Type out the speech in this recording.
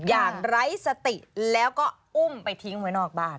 อย่างไร้สติแล้วก็อุ้มไปทิ้งไว้นอกบ้าน